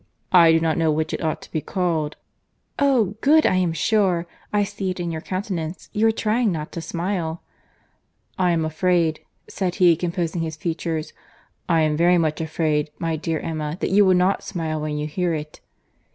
"I do not know which it ought to be called." "Oh! good I am sure.—I see it in your countenance. You are trying not to smile." "I am afraid," said he, composing his features, "I am very much afraid, my dear Emma, that you will not smile when you hear it."